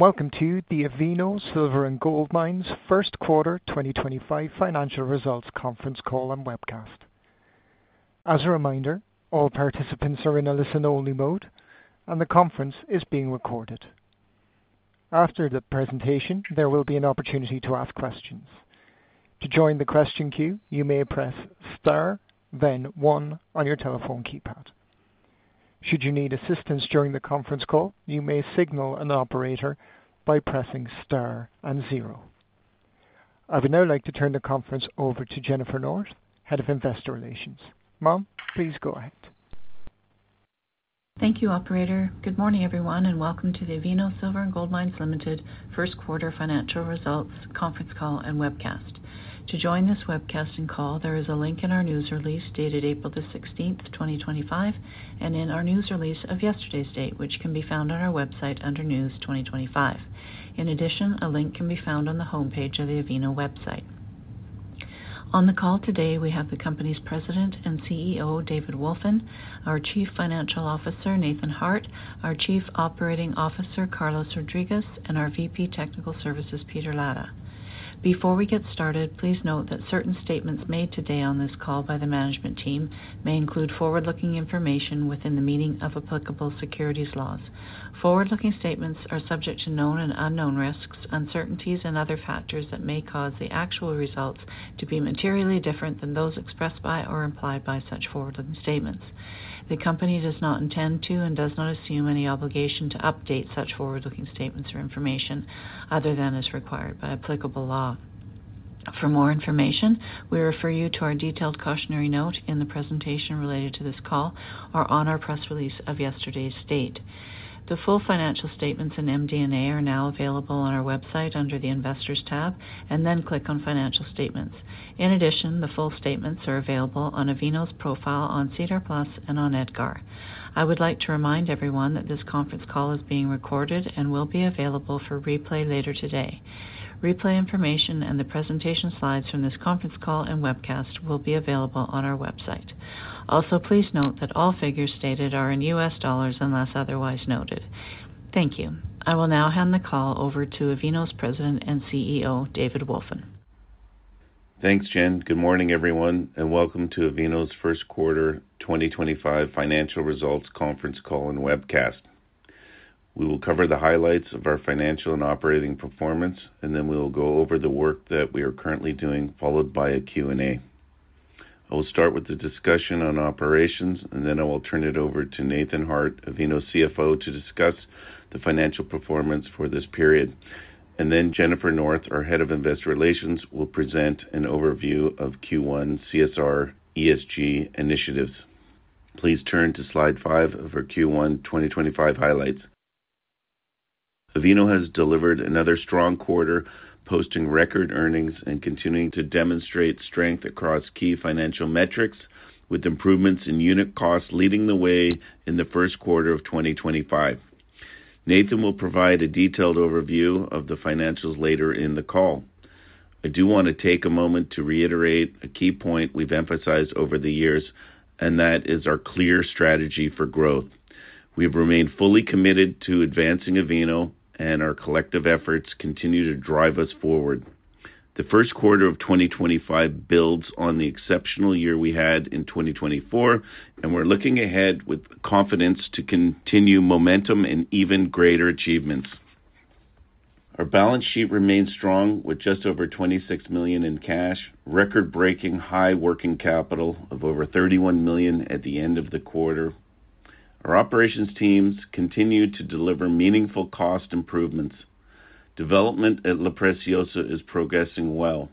Welcome to the Avino Silver & Gold Mines' first quarter 2025 financial results conference call and webcast. As a reminder, all participants are in a listen-only mode, and the conference is being recorded. After the presentation, there will be an opportunity to ask questions. To join the question queue, you may press star, then one on your telephone keypad. Should you need assistance during the conference call, you may signal an operator by pressing star and zero. I would now like to turn the conference over to Jennifer North, Head of Investor Relations. Ma'am, please go ahead. Thank you, Operator. Good morning, everyone, and welcome to the Avino Silver & Gold Mines Ltd first quarter financial results conference call and webcast. To join this webcast and call, there is a link in our news release dated April 16th, 2025, and in our news release of yesterday's date, which can be found on our website under News 2025. In addition, a link can be found on the homepage of the Avino website. On the call today, we have the company's President and CEO, David Wolfin, our Chief Financial Officer, Nathan Harte, our Chief Operating Officer, Carlos Rodriguez, and our VP Technical Services, Peter Latta. Before we get started, please note that certain statements made today on this call by the management team may include forward-looking information within the meaning of applicable securities laws. Forward-looking statements are subject to known and unknown risks, uncertainties, and other factors that may cause the actual results to be materially different than those expressed by or implied by such forward-looking statements. The company does not intend to and does not assume any obligation to update such forward-looking statements or information other than as required by applicable law. For more information, we refer you to our detailed cautionary note in the presentation related to this call or on our press release of yesterday's date. The full financial statements and MD&A are now available on our website under the Investors tab, and then click on Financial Statements. In addition, the full statements are available on Avino's profile on SEDAR+ and on EDGAR. I would like to remind everyone that this conference call is being recorded and will be available for replay later today. Replay information and the presentation slides from this conference call and webcast will be available on our website. Also, please note that all figures stated are in US dollars unless otherwise noted. Thank you. I will now hand the call over to Avino's President and CEO, David Wolfin. Thanks, Jen. Good morning, everyone, and welcome to Avino's first quarter 2025 financial results conference call and webcast. We will cover the highlights of our financial and operating performance, and then we will go over the work that we are currently doing, followed by a Q&A. I will start with the discussion on operations, and then I will turn it over to Nathan Harte, Avino CFO, to discuss the financial performance for this period. Then Jennifer North, our Head of Investor Relations, will present an overview of Q1 CSR/ESG initiatives. Please turn to slide five of our Q1 2025 highlights. Avino has delivered another strong quarter, posting record earnings and continuing to demonstrate strength across key financial metrics, with improvements in unit costs leading the way in the first quarter of 2025. Nathan will provide a detailed overview of the financials later in the call. I do want to take a moment to reiterate a key point we've emphasized over the years, and that is our clear strategy for growth. We have remained fully committed to advancing Avino, and our collective efforts continue to drive us forward. The first quarter of 2025 builds on the exceptional year we had in 2024, and we're looking ahead with confidence to continue momentum and even greater achievements. Our balance sheet remains strong, with just over $26 million in cash, record-breaking high working capital of over $31 million at the end of the quarter. Our operations teams continue to deliver meaningful cost improvements. Development at La Preciosa is progressing well.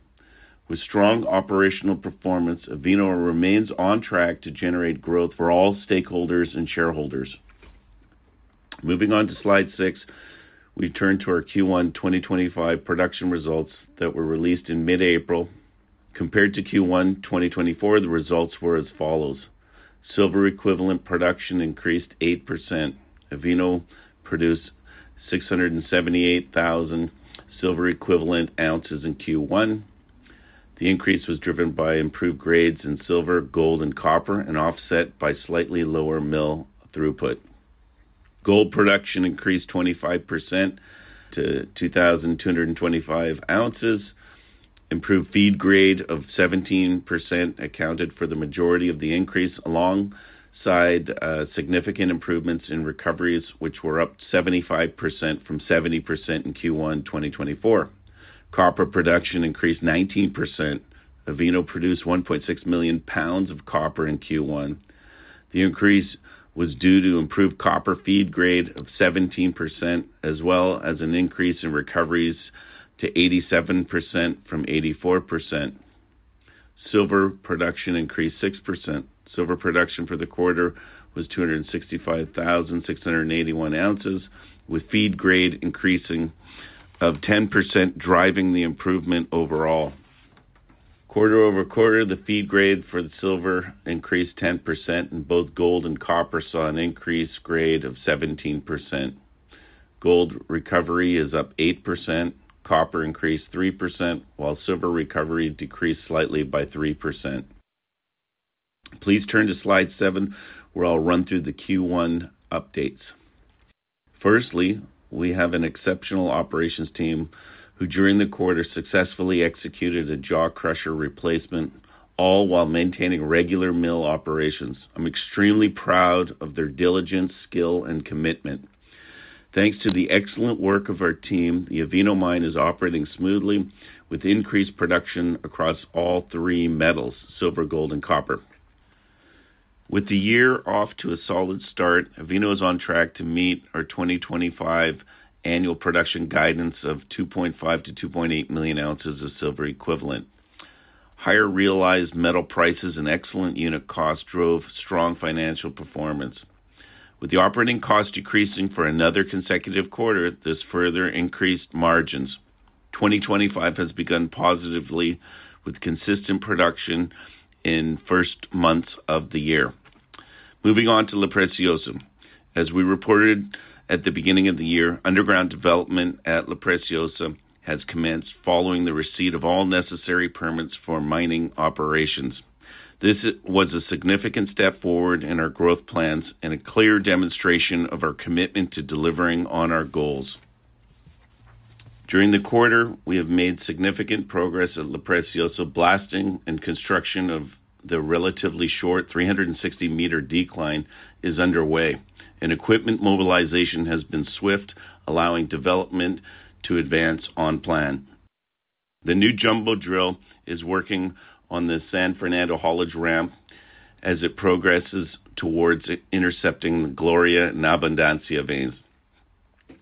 With strong operational performance, Avino remains on track to generate growth for all stakeholders and shareholders. Moving on to slide six, we turn to our Q1 2025 production results that were released in mid-April. Compared to Q1 2024, the results were as follows. Silver equivalent production increased 8%. Avino produced 678,000 silver equivalent ounces in Q1. The increase was driven by improved grades in silver, gold, and copper, and offset by slightly lower mill throughput. Gold production increased 25% to 2,225 ounces. Improved feed grade of 17% accounted for the majority of the increase, alongside significant improvements in recoveries, which were up 75% from 70% in Q1 2024. Copper production increased 19%. Avino produced 1.6 million pounds of copper in Q1. The increase was due to improved copper feed grade of 17%, as well as an increase in recoveries to 87% from 84%. Silver production increased 6%. Silver production for the quarter was 265,681 ounces, with feed grade increasing of 10%, driving the improvement overall. Quarter over quarter, the feed grade for the silver increased 10%, and both gold and copper saw an increased grade of 17%. Gold recovery is up 8%. Copper increased 3%, while silver recovery decreased slightly by 3%. Please turn to slide seven, where I'll run through the Q1 updates. Firstly, we have an exceptional operations team who, during the quarter, successfully executed a jaw crusher replacement, all while maintaining regular mill operations. I'm extremely proud of their diligence, skill, and commitment. Thanks to the excellent work of our team, the Avino mine is operating smoothly, with increased production across all three metals: silver, gold, and copper. With the year off to a solid start, Avino is on track to meet our 2025 annual production guidance of 2.5 million-2.8 million ounces of silver equivalent. Higher realized metal prices and excellent unit cost drove strong financial performance. With the operating cost decreasing for another consecutive quarter, this further increased margins. 2025 has begun positively, with consistent production in the first months of the year. Moving on to La Preciosa. As we reported at the beginning of the year, underground development at La Preciosa has commenced following the receipt of all necessary permits for mining operations. This was a significant step forward in our growth plans and a clear demonstration of our commitment to delivering on our goals. During the quarter, we have made significant progress at La Preciosa. Blasting and construction of the relatively short 360-meter decline is underway. Equipment mobilization has been swift, allowing development to advance on plan. The new jumbo drill is working on the San Fernando haulage ramp as it progresses towards intercepting the Gloria and Abundancia veins.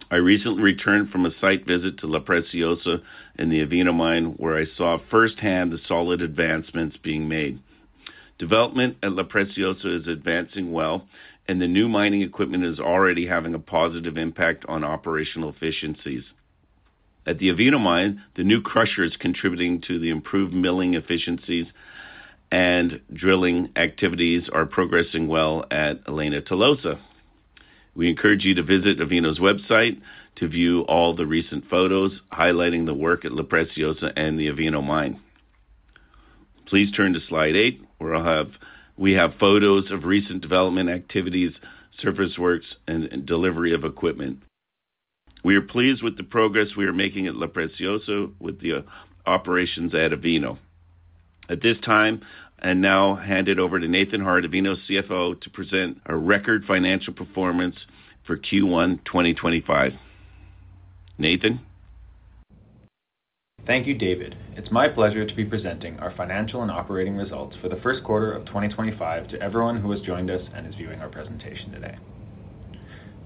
I recently returned from a site visit to La Preciosa and the Avino mine, where I saw firsthand the solid advancements being made. Development at La Preciosa is advancing well, and the new mining equipment is already having a positive impact on operational efficiencies. At the Avino mine, the new crusher is contributing to the improved milling efficiencies, and drilling activities are progressing well at Elena Tolosa. We encourage you to visit Avino's website to view all the recent photos highlighting the work at La Preciosa and the Avino mine. Please turn to slide eight, where we have photos of recent development activities, surface works, and delivery of equipment. We are pleased with the progress we are making at La Preciosa with the operations at Avino. At this time, I now hand it over to Nathan Harte, Avino CFO, to present our record financial performance for Q1 2025. Nathan? Thank you, David. It's my pleasure to be presenting our financial and operating results for the first quarter of 2025 to everyone who has joined us and is viewing our presentation today.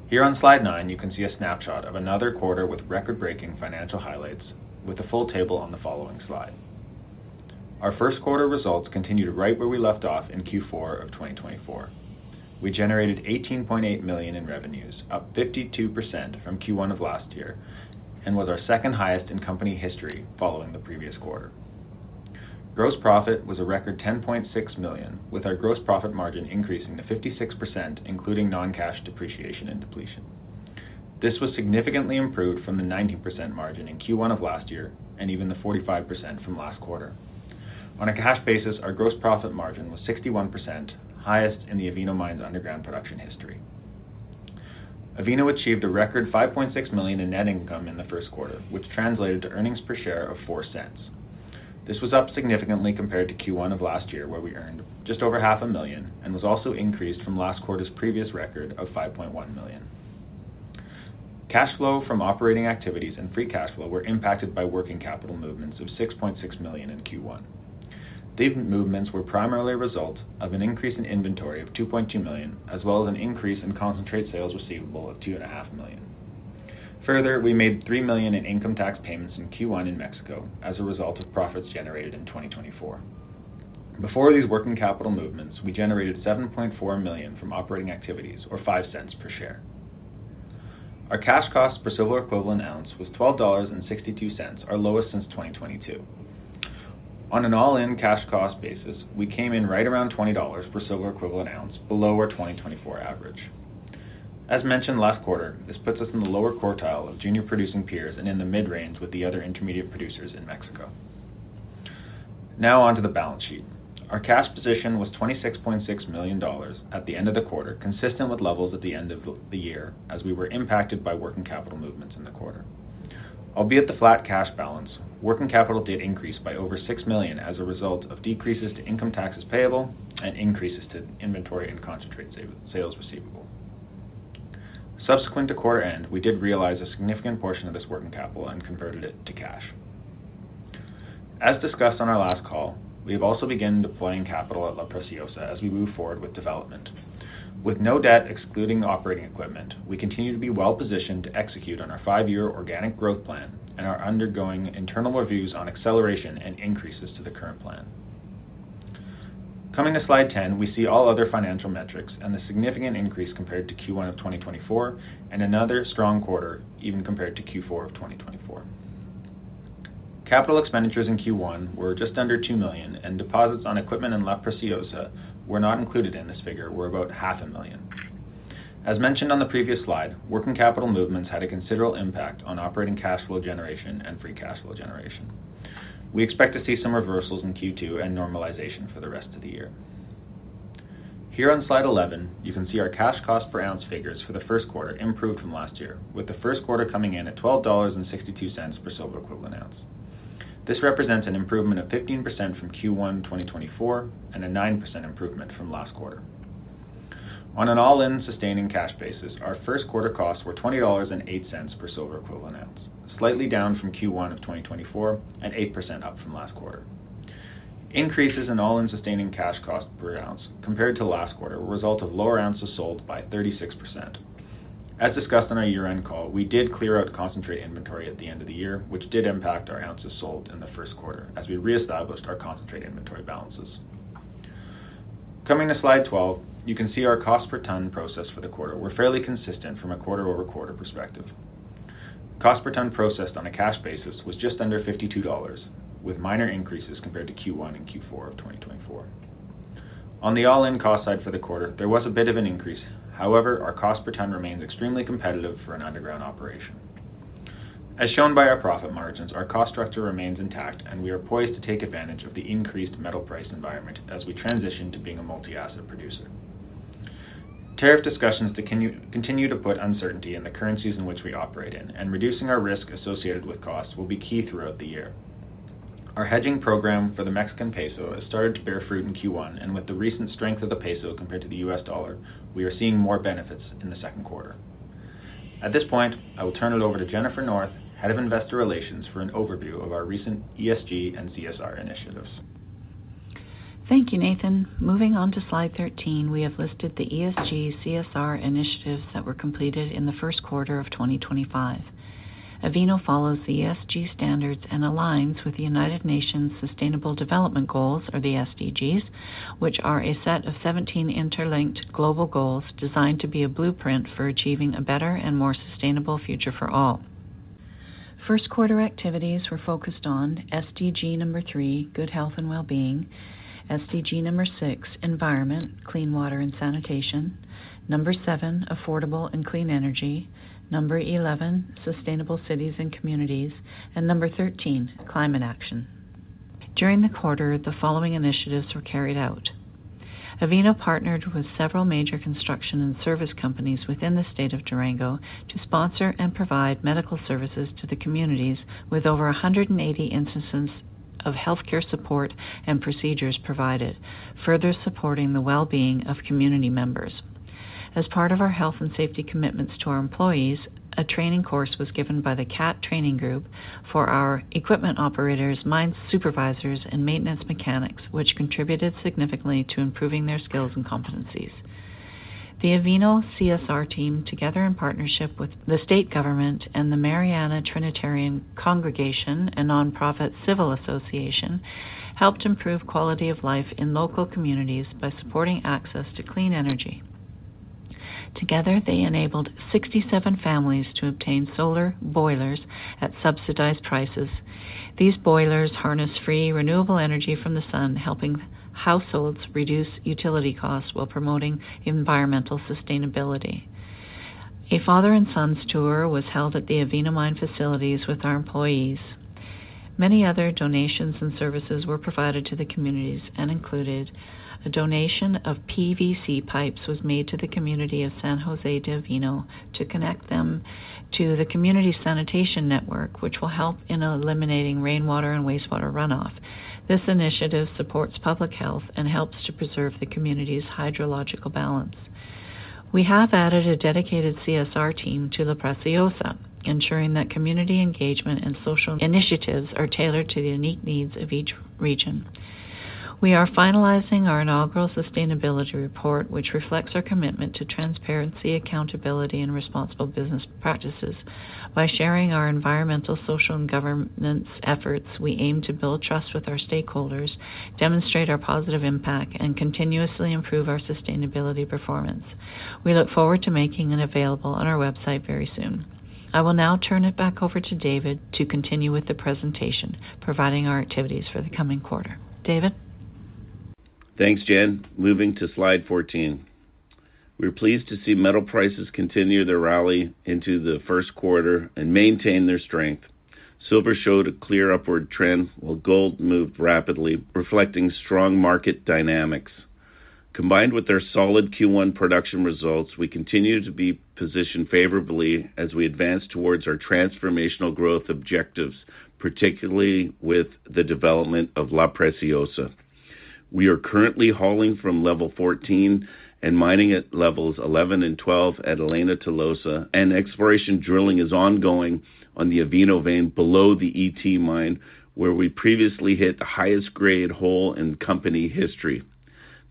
Here on slide nine, you can see a snapshot of another quarter with record-breaking financial highlights, with a full table on the following slide. Our first quarter results continue to right where we left off in Q4 of 2024. We generated $18.8 million in revenues, up 52% from Q1 of last year, and was our second highest in company history following the previous quarter. Gross profit was a record $10.6 million, with our gross profit margin increasing to 56%, including non-cash depreciation and depletion. This was significantly improved from the 9% margin in Q1 of last year and even the 45% from last quarter. On a cash basis, our gross profit margin was 61%, highest in the Avino mine's underground production history. Avino achieved a record $5.6 million in net income in the first quarter, which translated to earnings per share of $0.04. This was up significantly compared to Q1 of last year, where we earned just over $500,000 and was also increased from last quarter's previous record of $5.1 million. Cash flow from operating activities and free cash flow were impacted by working capital movements of $6.6 million in Q1. These movements were primarily a result of an increase in inventory of $2.2 million, as well as an increase in concentrate sales receivable of $2.5 million. Further, we made $3 million in income tax payments in Q1 in Mexico as a result of profits generated in 2024. Before these working capital movements, we generated $7.4 million from operating activities, or $0.05 per share. Our cash cost per silver equivalent ounce was $12.62, our lowest since 2022. On an all-in cash cost basis, we came in right around $20 per silver equivalent ounce, below our 2024 average. As mentioned last quarter, this puts us in the lower quartile of junior producing peers and in the mid-range with the other intermediate producers in Mexico. Now on to the balance sheet. Our cash position was $26.6 million at the end of the quarter, consistent with levels at the end of the year, as we were impacted by working capital movements in the quarter. Albeit the flat cash balance, working capital did increase by over $6 million as a result of decreases to income taxes payable and increases to inventory and concentrate sales receivable. Subsequent to quarter end, we did realize a significant portion of this working capital and converted it to cash. As discussed on our last call, we have also begun deploying capital at La Preciosa as we move forward with development. With no debt excluding operating equipment, we continue to be well-positioned to execute on our five-year organic growth plan and are undergoing internal reviews on acceleration and increases to the current plan. Coming to slide 10, we see all other financial metrics and the significant increase compared to Q1 of 2024 and another strong quarter, even compared to Q4 of 2024. Capital expenditures in Q1 were just under $2 million, and deposits on equipment in La Preciosa were not included in this figure, were about $500,000. As mentioned on the previous slide, working capital movements had a considerable impact on operating cash flow generation and free cash flow generation. We expect to see some reversals in Q2 and normalization for the rest of the year. Here on slide 11, you can see our cash cost per ounce figures for the first quarter improved from last year, with the first quarter coming in at $12.62 per silver equivalent ounce. This represents an improvement of 15% from Q1 2024 and a 9% improvement from last quarter. On an all-in sustaining cash basis, our first quarter costs were $20.08 per silver equivalent ounce, slightly down from Q1 of 2024 and 8% up from last quarter. Increases in all-in sustaining cash cost per ounce compared to last quarter result of lower ounces sold by 36%. As discussed on our year-end call, we did clear out concentrate inventory at the end of the year, which did impact our ounces sold in the first quarter as we reestablished our concentrate inventory balances. Coming to slide 12, you can see our cost per ton processed for the quarter were fairly consistent from a quarter-over-quarter perspective. Cost per ton processed on a cash basis was just under $52, with minor increases compared to Q1 and Q4 of 2024. On the all-in cost side for the quarter, there was a bit of an increase. However, our cost per ton remains extremely competitive for an underground operation. As shown by our profit margins, our cost structure remains intact, and we are poised to take advantage of the increased metal price environment as we transition to being a multi-asset producer. Tariff discussions continue to put uncertainty in the currencies in which we operate in, and reducing our risk associated with costs will be key throughout the year. Our hedging program for the Mexican peso has started to bear fruit in Q1, and with the recent strength of the peso compared to the US dollar, we are seeing more benefits in the second quarter. At this point, I will turn it over to Jennifer North, Head of Investor Relations, for an overview of our recent ESG and CSR initiatives. Thank you, Nathan. Moving on to slide 13, we have listed the ESG/CSR initiatives that were completed in the first quarter of 2025. Avino follows the ESG standards and aligns with the United Nations Sustainable Development Goals, or the SDGs, which are a set of 17 interlinked global goals designed to be a blueprint for achieving a better and more sustainable future for all. First quarter activities were focused on SDG number three, good health and well-being, SDG number six, environment, clean water and sanitation, number seven, affordable and clean energy, number 11, sustainable cities and communities, and number 13, climate action. During the quarter, the following initiatives were carried out. Avino partnered with several major construction and service companies within the state of Durango to sponsor and provide medical services to the communities, with over 180 instances of healthcare support and procedures provided, further supporting the well-being of community members. As part of our health and safety commitments to our employees, a training course was given by the CAT training group for our equipment operators, mine supervisors, and maintenance mechanics, which contributed significantly to improving their skills and competencies. The Avino CSR team, together in partnership with the state government and the Mariana Trinitarian Congregation and Nonprofit Civil Association, helped improve quality of life in local communities by supporting access to clean energy. Together, they enabled 67 families to obtain solar boilers at subsidized prices. These boilers harness free renewable energy from the sun, helping households reduce utility costs while promoting environmental sustainability. A father and son's tour was held at the Avino mine facilities with our employees. Many other donations and services were provided to the communities, and included a donation of PVC pipes that was made to the community of San Jose de Avino to connect them to the community sanitation network, which will help in eliminating rainwater and wastewater runoff. This initiative supports public health and helps to preserve the community's hydrological balance. We have added a dedicated CSR team to La Preciosa, ensuring that community engagement and social initiatives are tailored to the unique needs of each region. We are finalizing our inaugural sustainability report, which reflects our commitment to transparency, accountability, and responsible business practices. By sharing our environmental, social, and governance efforts, we aim to build trust with our stakeholders, demonstrate our positive impact, and continuously improve our sustainability performance. We look forward to making it available on our website very soon. I will now turn it back over to David to continue with the presentation, providing our activities for the coming quarter. David? Thanks, Jen. Moving to slide 14. We're pleased to see metal prices continue to rally into the first quarter and maintain their strength. Silver showed a clear upward trend, while gold moved rapidly, reflecting strong market dynamics. Combined with our solid Q1 production results, we continue to be positioned favorably as we advance towards our transformational growth objectives, particularly with the development of La Preciosa. We are currently hauling from level 14 and mining at levels 11 and 12 at Elena Tolosa, and exploration drilling is ongoing on the Avino vein below the ET mine, where we previously hit the highest grade hole in company history.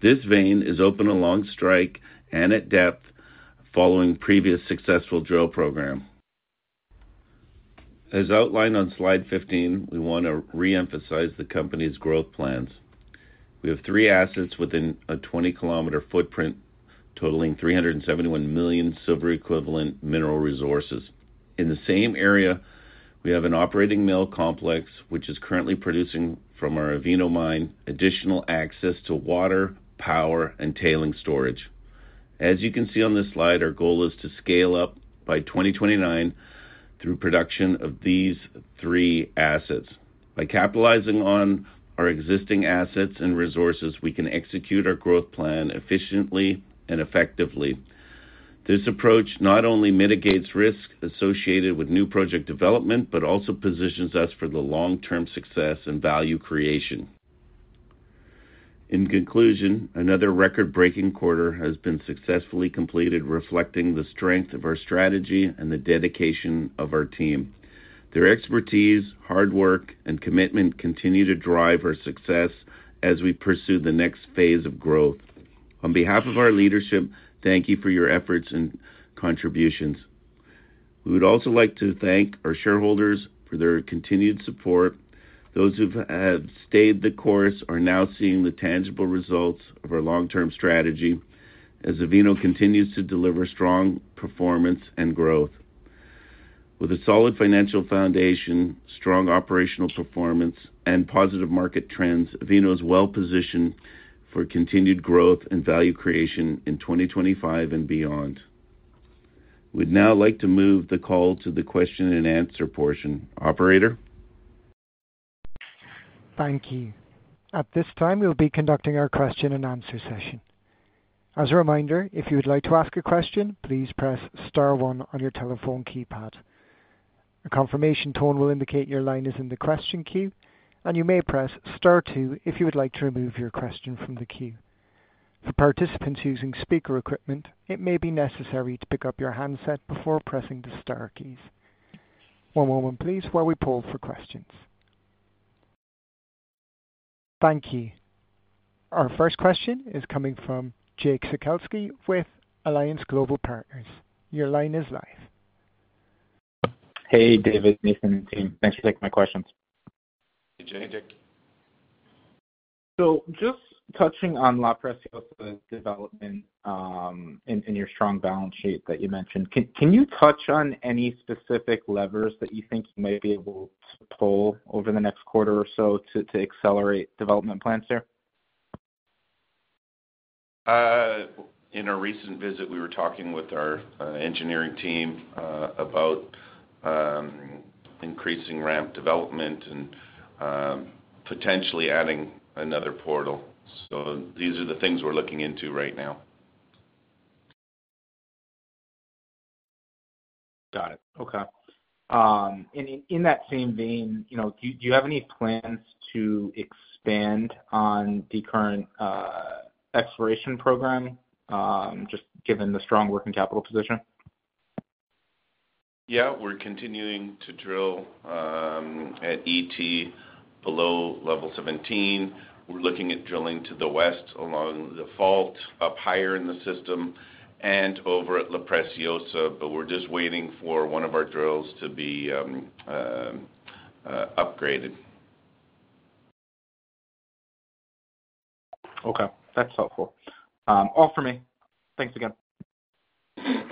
This vein is open along strike and at depth, following previous successful drill program. As outlined on slide 15, we want to re-emphasize the company's growth plans. We have three assets within a 20-km footprint, totaling 371 million silver equivalent mineral resources. In the same area, we have an operating mill complex, which is currently producing from our Avino mine, additional access to water, power, and tailing storage. As you can see on this slide, our goal is to scale up by 2029 through production of these three assets. By capitalizing on our existing assets and resources, we can execute our growth plan efficiently and effectively. This approach not only mitigates risk associated with new project development, but also positions us for the long-term success and value creation. In conclusion, another record-breaking quarter has been successfully completed, reflecting the strength of our strategy and the dedication of our team. Their expertise, hard work, and commitment continue to drive our success as we pursue the next phase of growth. On behalf of our leadership, thank you for your efforts and contributions. We would also like to thank our shareholders for their continued support. Those who have stayed the course are now seeing the tangible results of our long-term strategy as Avino continues to deliver strong performance and growth. With a solid financial foundation, strong operational performance, and positive market trends, Avino is well-positioned for continued growth and value creation in 2025 and beyond. We'd now like to move the call to the question and answer portion. Operator? Thank you. At this time, we'll be conducting our question and answer session. As a reminder, if you would like to ask a question, please press star one on your telephone keypad. A confirmation tone will indicate your line is in the question queue, and you may press star two if you would like to remove your question from the queue. For participants using speaker equipment, it may be necessary to pick up your handset before pressing the Star keys. One moment, please, while we poll for questions. Thank you. Our first question is coming from Jake Sekelsky with Alliance Global Partners. Your line is live. Hey, David, Nathan, and team. Thanks for taking my questions. Hey, Jake. Jake? Just touching on La Preciosa development and your strong balance sheet that you mentioned, can you touch on any specific levers that you think you may be able to pull over the next quarter or so to accelerate development plans there? In our recent visit, we were talking with our engineering team about increasing ramp development and potentially adding another portal. These are the things we're looking into right now. Got it. Okay. In that same vein, do you have any plans to expand on the current exploration program, just given the strong working capital position? Yeah. We're continuing to drill at ET below level 17. We're looking at drilling to the west along the fault, up higher in the system, and over at La Preciosa, but we're just waiting for one of our drills to be upgraded. Okay. That's helpful. All from me. Thanks again.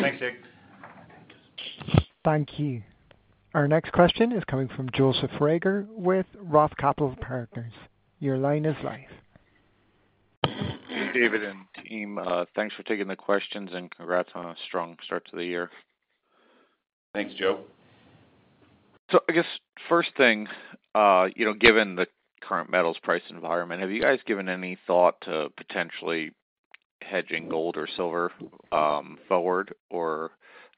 Thanks, Jake. Thank you. Our next question is coming from Joseph Reagor with Roth Capital Partners. Your line is live. David and team, thanks for taking the questions and congrats on a strong start to the year. Thanks, Joe. I guess first thing, given the current metals price environment, have you guys given any thought to potentially hedging gold or silver forward, or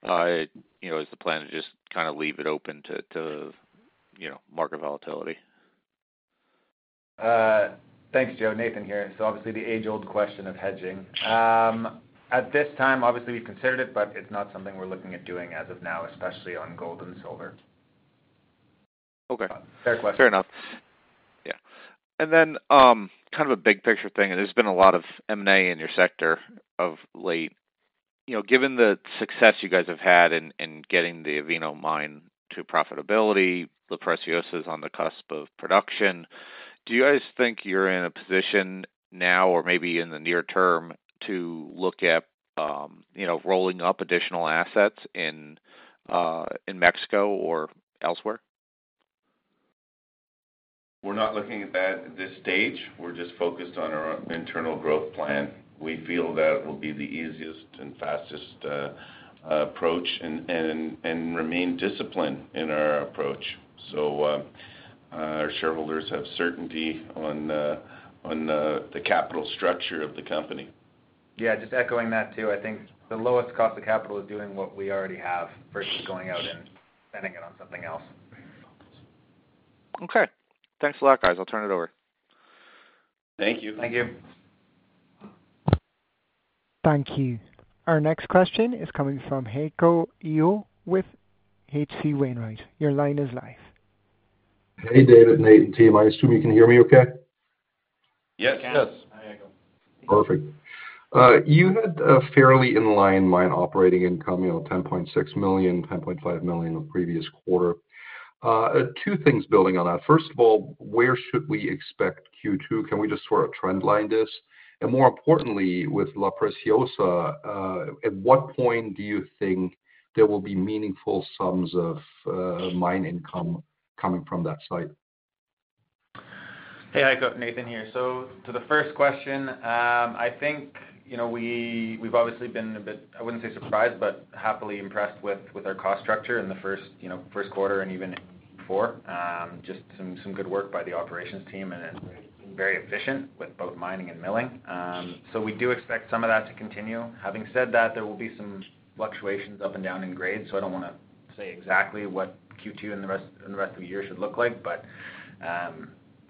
is the plan to just kind of leave it open to market volatility? Thanks, Joe. Nathan here. Obviously, the age-old question of hedging. At this time, obviously, we've considered it, but it's not something we're looking at doing as of now, especially on gold and silver. Okay. Fair enough. Yeah. And then kind of a big picture thing, and there's been a lot of M&A in your sector of late. Given the success you guys have had in getting the Avino mine to profitability, La Preciosa is on the cusp of production, do you guys think you're in a position now or maybe in the near term to look at rolling up additional assets in Mexico or elsewhere? We're not looking at that at this stage. We're just focused on our internal growth plan. We feel that will be the easiest and fastest approach and remain disciplined in our approach. Our shareholders have certainty on the capital structure of the company. Yeah. Just echoing that too, I think the lowest cost of capital is doing what we already have versus going out and spending it on something else. Okay. Thanks a lot, guys. I'll turn it over. Thank you. Thank you. Thank you. Our next question is coming from Heiko Ihle with H.C. Wainwright. Your line is live. Hey, David, Nathan, team. I assume you can hear me okay? Yes. Yes. Hi, Heiko. Perfect. You had a fairly in-line mine operating income, $10.6 million, $10.5 million the previous quarter. Two things building on that. First of all, where should we expect Q2? Can we just sort of trendline this? And more importantly, with La Preciosa, at what point do you think there will be meaningful sums of mine income coming from that site? Hey, Heiko, Nathan here. To the first question, I think we've obviously been a bit, I wouldn't say surprised, but happily impressed with our cost structure in the first quarter and even before. Just some good work by the operations team, and it's been very efficient with both mining and milling. We do expect some of that to continue. Having said that, there will be some fluctuations up and down in grade, so I don't want to say exactly what Q2 and the rest of the year should look like.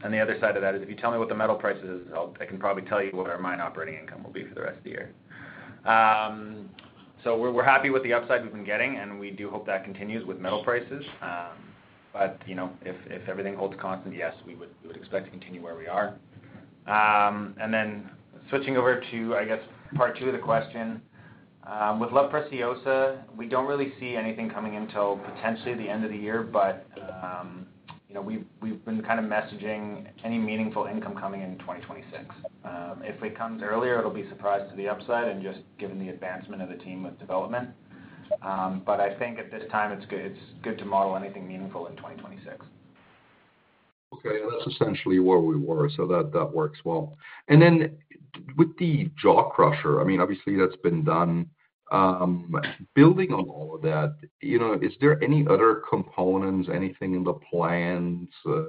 On the other side of that, if you tell me what the metal price is, I can probably tell you what our mine operating income will be for the rest of the year. We're happy with the upside we've been getting, and we do hope that continues with metal prices. If everything holds constant, yes, we would expect to continue where we are. Switching over to, I guess, part two of the question. With La Preciosa, we do not really see anything coming until potentially the end of the year, but we have been kind of messaging any meaningful income coming in 2026. If it comes earlier, it will be a surprise to the upside and just given the advancement of the team with development. I think at this time, it is good to model anything meaningful in 2026. Okay. That's essentially where we were, so that works well. And then with the jaw crusher, I mean, obviously, that's been done. Building on all of that, is there any other components, anything in the plans of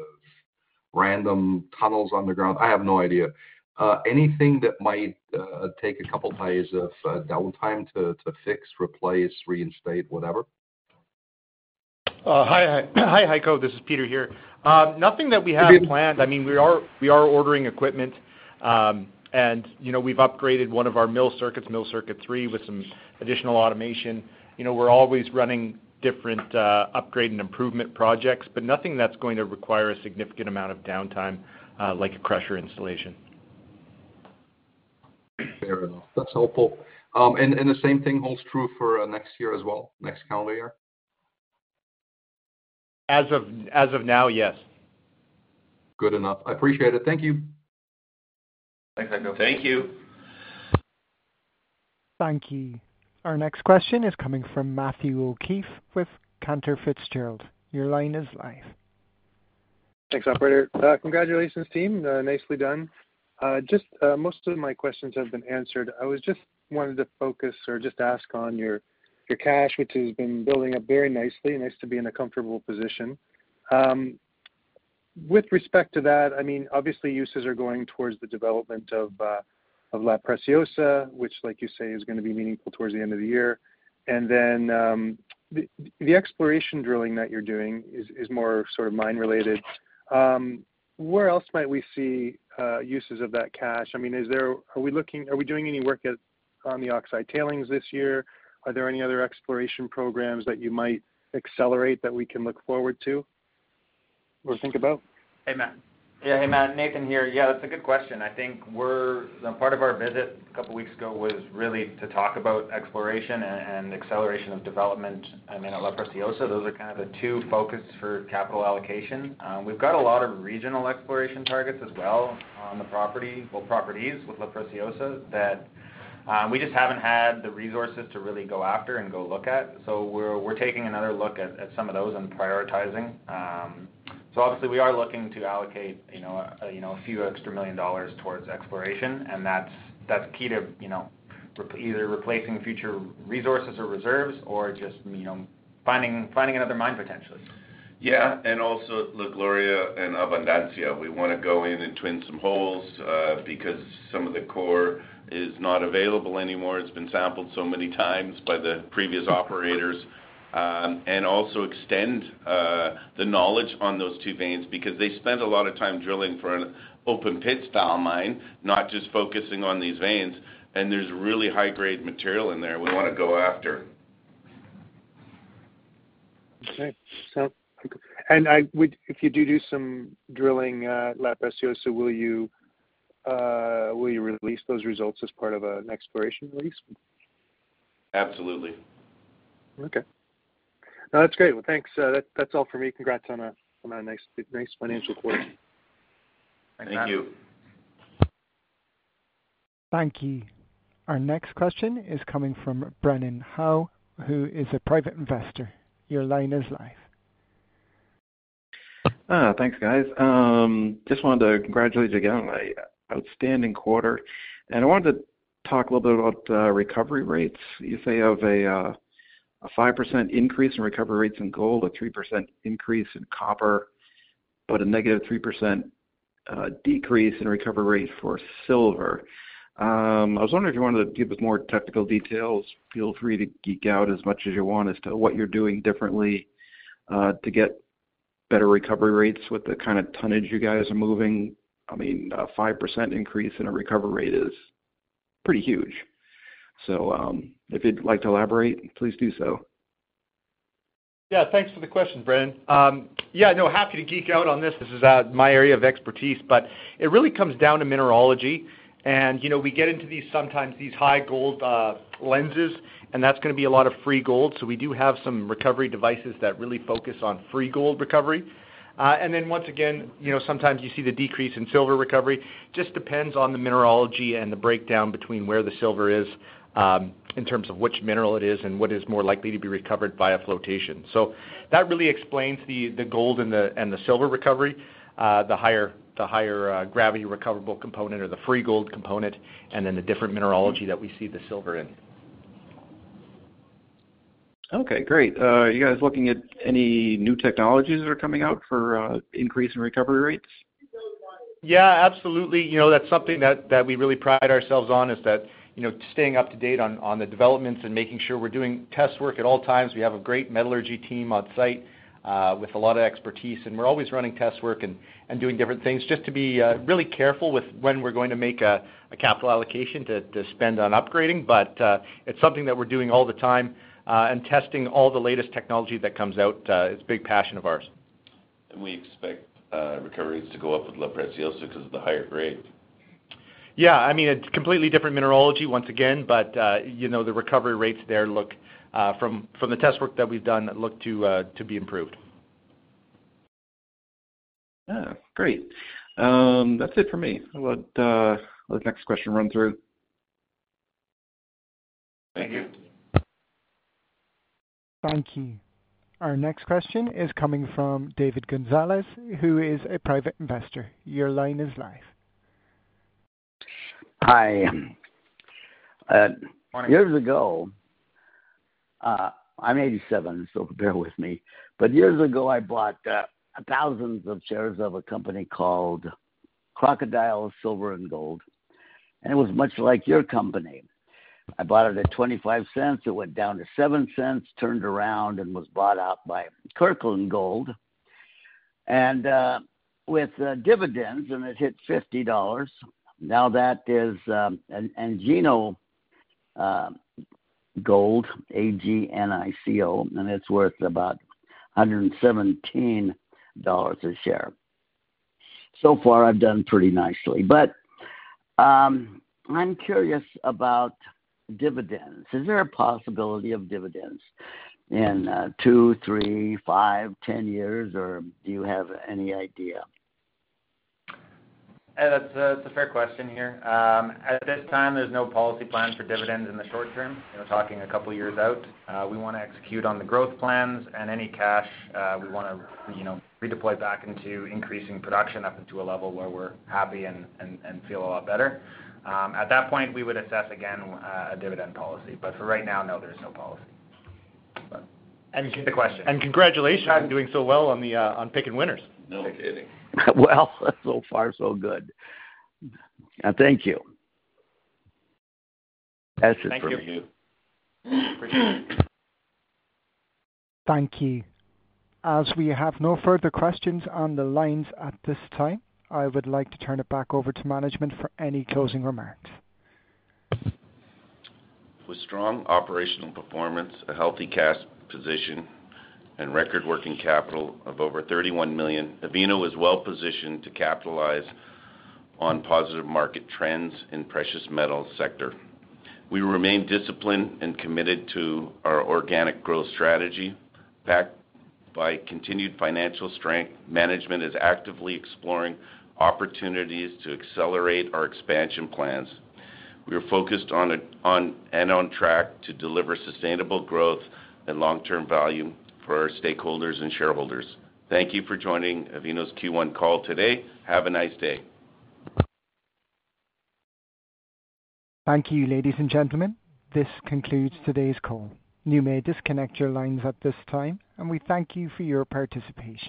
random tunnels underground? I have no idea. Anything that might take a couple of days of downtime to fix, replace, reinstate, whatever? Hi, Heiko. This is Peter here. Nothing that we have planned. I mean, we are ordering equipment, and we've upgraded one of our mill circuits, mill circuit three, with some additional automation. We're always running different upgrade and improvement projects, but nothing that's going to require a significant amount of downtime like a crusher installation. Fair enough. That's helpful. The same thing holds true for next year as well, next calendar year? As of now, yes. Good enough. I appreciate it. Thank you. Thanks, Heiko. Thank you. Thank you. Our next question is coming from Matthew O'Keefe with Cantor Fitzgerald. Your line is live. Thanks, Operator. Congratulations, team. Nicely done. Just most of my questions have been answered. I just wanted to focus or just ask on your cash, which has been building up very nicely. Nice to be in a comfortable position. With respect to that, I mean, obviously, uses are going towards the development of La Preciosa, which, like you say, is going to be meaningful towards the end of the year. And then the exploration drilling that you're doing is more sort of mine-related. Where else might we see uses of that cash? I mean, are we doing any work on the oxide tailings this year? Are there any other exploration programs that you might accelerate that we can look forward to or think about? Hey, Matt. Yeah. Hey, Matt. Nathan here. Yeah, that's a good question. I think part of our visit a couple of weeks ago was really to talk about exploration and acceleration of development in La Preciosa. Those are kind of the two focuses for capital allocation. We've got a lot of regional exploration targets as well on the property, properties with La Preciosa that we just haven't had the resources to really go after and go look at. We're taking another look at some of those and prioritizing. Obviously, we are looking to allocate a few extra million dollars towards exploration, and that's key to either replacing future resources or reserves or just finding another mine potentially. Yeah. Also, La Gloria and Abundancia, we want to go in and twin some holes because some of the core is not available anymore. It has been sampled so many times by the previous operators. Also, extend the knowledge on those two veins because they spent a lot of time drilling for an open-pit-style mine, not just focusing on these veins, and there is really high-grade material in there we want to go after. Okay. And if you do do some drilling at La Preciosa, will you release those results as part of an exploration release? Absolutely. Okay. No, that's great. Thanks. That's all for me. Congrats on a nice financial quarter. Thank you. Thank you. Our next question is coming from Brennan Howe, who is a private investor. Your line is live. Thanks, guys. Just wanted to congratulate you again on an outstanding quarter. I wanted to talk a little bit about recovery rates. You say you have a 5% increase in recovery rates in gold, a 3% increase in copper, but a -3% decrease in recovery rates for silver. I was wondering if you wanted to give us more technical details. Feel free to geek out as much as you want as to what you're doing differently to get better recovery rates with the kind of tonnage you guys are moving. I mean, a 5% increase in a recovery rate is pretty huge. If you'd like to elaborate, please do so. Yeah. Thanks for the question, Brennan. Yeah. No, happy to geek out on this. This is my area of expertise, but it really comes down to mineralogy. We get into sometimes these high gold lenses, and that's going to be a lot of free gold. We do have some recovery devices that really focus on free gold recovery. Once again, sometimes you see the decrease in silver recovery. It just depends on the mineralogy and the breakdown between where the silver is in terms of which mineral it is and what is more likely to be recovered via flotation. That really explains the gold and the silver recovery, the higher gravity recoverable component or the free gold component, and then the different mineralogy that we see the silver in. Okay. Great. You guys looking at any new technologies that are coming out for increase in recovery rates? Yeah. Absolutely. That's something that we really pride ourselves on is that staying up to date on the developments and making sure we're doing test work at all times. We have a great metallurgy team on site with a lot of expertise, and we're always running test work and doing different things just to be really careful with when we're going to make a capital allocation to spend on upgrading. It's something that we're doing all the time and testing all the latest technology that comes out. It's a big passion of ours. We expect recovery rates to go up with La Preciosa because of the higher grade. Yeah. I mean, it's completely different mineralogy once again, but the recovery rates there look from the test work that we've done look to be improved. Yeah. Great. That's it for me. How about the next question run through? Thank you. Thank you. Our next question is coming from David Gonzalez, who is a private investor. Your line is live. Hi. Years ago, I'm 87, so prepare with me. Years ago, I bought thousands of shares of a company called Crocodile Silver and Gold. It was much like your company. I bought it at $0.25. It went down to $0.07, turned around, and was bought out by Kirkland Lake Gold. With dividends, it hit $50. Now that is Agnico Eagle, A.G.N.I.C.O, and it's worth about $117 a share. So far, I've done pretty nicely. I'm curious about dividends. Is there a possibility of dividends in two, three, five, 10 years, or do you have any idea? That's a fair question here. At this time, there's no policy plan for dividends in the short term. We're talking a couple of years out. We want to execute on the growth plans, and any cash we want to redeploy back into increasing production up into a level where we're happy and feel a lot better. At that point, we would assess again a dividend policy. For right now, no, there's no policy. That's the question. Congratulations on doing so well on picking winners. No kidding. So far, so good. Thank you. That's it for me. Thank you. Appreciate it. Thank you. As we have no further questions on the lines at this time, I would like to turn it back over to management for any closing remarks. With strong operational performance, a healthy cash position, and record working capital of over $31 million, Avino is well positioned to capitalize on positive market trends in the precious metals sector. We remain disciplined and committed to our organic growth strategy. Backed by continued financial strength, management is actively exploring opportunities to accelerate our expansion plans. We are focused on and on track to deliver sustainable growth and long-term value for our stakeholders and shareholders. Thank you for joining Avino's Q1 call today. Have a nice day. Thank you, ladies and gentlemen. This concludes today's call. You may disconnect your lines at this time, and we thank you for your participation.